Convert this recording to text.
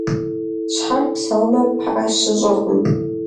Щхьэр псэумэ, пыӀэ щыщӀэркъым.